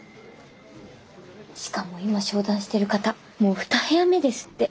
しかも今商談してる方もう２部屋目ですって。